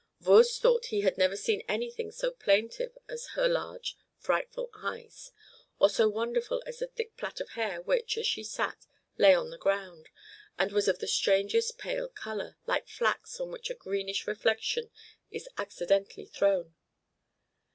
Voorst thought he had never seen anything so plaintive as her large, frightened eyes, or so wonderful as the thick plait of hair which, as she sat, lay on the ground, and was of the strangest pale color, like flax on which a greenish reflection is accidentally thrown.